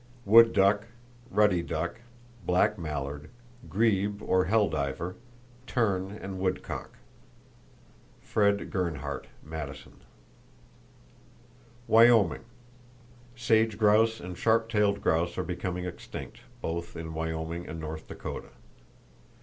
Wood duck, ruddy duck, black mallard, grebe or hell diver, tern and woodcock.—(Fred. Gerhardt, Madison.) Wyoming: Sage grouse and sharp tailed grouse are becoming extinct, both in Wyoming and North Dakota.